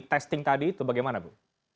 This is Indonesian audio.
testing tadi itu bagaimana bu